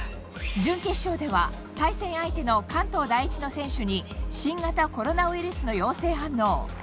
準決勝では対戦相手の関東第一の選手に新型コロナウイルスの陽性反応。